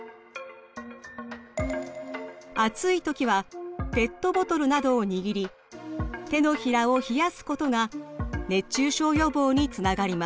暑い時はペットボトルなどを握り手のひらを冷やすことが熱中症予防につながります。